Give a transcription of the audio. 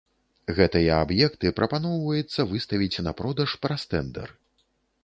Гэтыя аб'екты прапаноўваецца выставіць на продаж праз тэндэр.